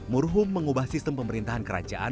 murhum mengubah sistem pemerintahan kerajaan